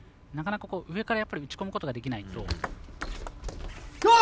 なかなか、上から打ち込むことができないので。